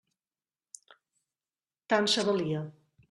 Tant se valia.